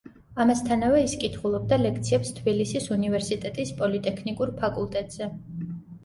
ამასთანავე ის კითხულობდა ლექციებს თბილისის უნივერსიტეტის პოლიტექნიკურ ფაკულტეტზე.